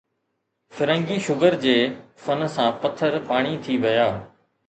فرنگي شگر جي فن سان پٿر پاڻي ٿي ويا